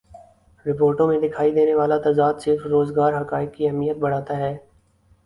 رپورٹوں میں دکھائی دینے والا تضاد صرف روزگار حقائق کی اہمیت بڑھاتا ہے